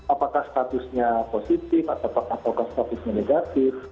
apakah statusnya positif atau statusnya negatif